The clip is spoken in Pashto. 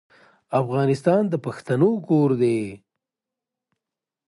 افغانستان د پښتنو کور دی.